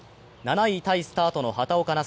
７位タイスタートの畑岡奈